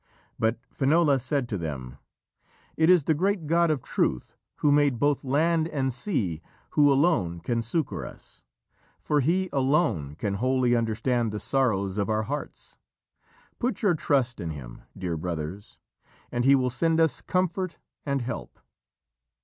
But Finola said to them: "It is the great God of truth who made both land and sea who alone can succour us, for He alone can wholly understand the sorrows of our hearts. Put your trust in Him, dear brothers, and He will send us comfort and help."